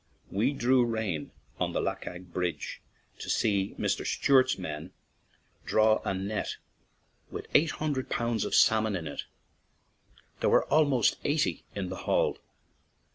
We drew rein on the Lackagh bridge to see Mr. Stewart's men draw a net with eight hundred pounds of salmon in it; there were about eighty in the haul.